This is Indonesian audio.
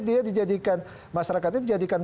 dia dijadikan masyarakatnya dijadikan